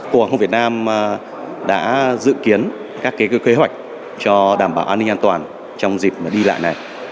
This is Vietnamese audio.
cục hàng không việt nam đã dự kiến các kế hoạch cho đảm bảo an ninh an toàn trong dịp đi lại này